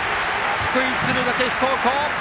福井・敦賀気比高校。